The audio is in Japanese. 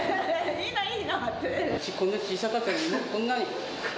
いいの、こんな小さかったのに、こんなに。